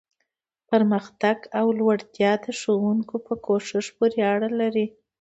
پرمختګ او لوړتیا د ښوونکو په کوښښ پورې اړه لري.